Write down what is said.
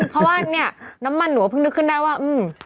เพราะว่าเนี่ยน้ำมันหนูก็เพิ่งนึกขึ้นได้ว่าอืม